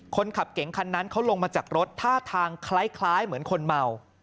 คนขับเก๋งคันนั้นเขาลงมาจากรถท่าทางคล้ายเหมือนคนเมา